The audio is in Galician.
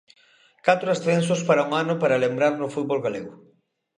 Catro ascensos para un ano para lembrar no fútbol galego.